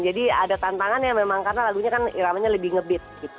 jadi ada tantangan yang memang karena lagunya kan iramanya lebih ngebeat gitu